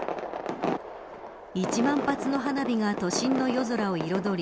１万発の花火が都心の夜空を彩り